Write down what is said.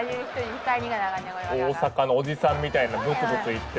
大阪のおじさんみたいなぶつぶつ言って。